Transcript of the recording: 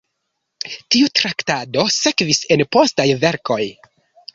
Tiu traktado sekvis en postaj verkoj.